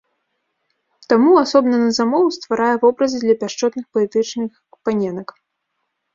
Таму асобна на замову стварае вобразы для пяшчотных паэтычных паненак.